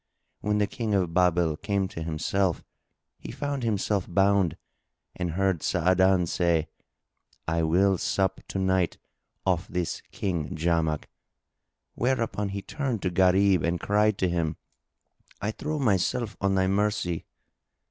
When the King of Babel came to himself, he found himself bound and heard Sa'adan say, "I will sup to night off this King Jamak:" whereupon he turned to Gharib and cried to him, "I throw myself on thy mercy."